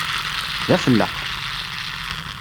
D afelleq!